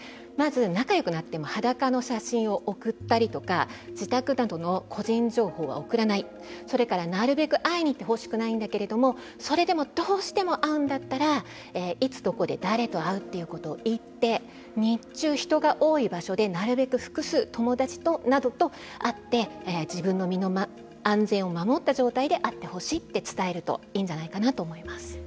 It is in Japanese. まず仲よくなっても裸の写真を送ったりとか自宅などの個人情報は送らないそれからなるべく会いにいってほしくないんだけどそれでもどうしても会うんだったらいつどこで誰と会うということを言って日中、人が多い場所でなるべく複数友達などと会って自分の身の安全を守った状態で会ってほしいって伝えるといいんじゃないかと思います。